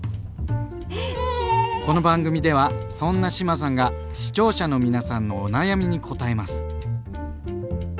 この番組ではそんな志麻さんが視聴者の皆さんのお悩みにこたえます。